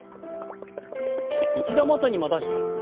一度元に戻して。